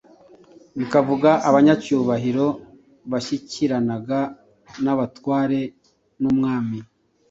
bikavuga Abanyacyubahiro bashyikiranaga n'abatware n'umwami